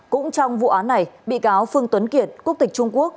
cũng trong vụ án này bị cáo phương tuấn kiệt quốc tịch trung quốc